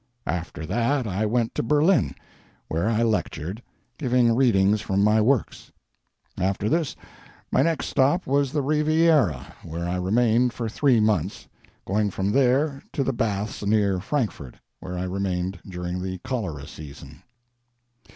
After that I went to Berlin, where I lectured, giving readings from my works. After this my next stop was the Riviera, where I remained for three months, going from there to the baths near Frankfort, where I remained during the cholera season.